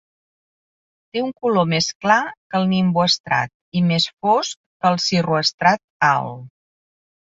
Té un color més clar que el nimboestrat i més fosc que el cirroestrat alt.